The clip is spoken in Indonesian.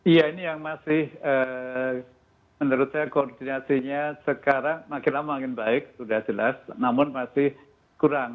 iya ini yang masih menurut saya koordinasinya sekarang makin lama makin baik sudah jelas namun masih kurang